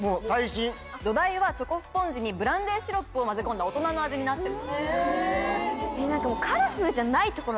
土台はチョコスポンジにブランデーシロップを混ぜた大人の味になってる。